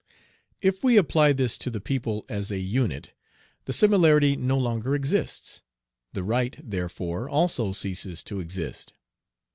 If we apply this to the people as a unit, the similarity no longer exists. The right, therefore, also ceases to exist.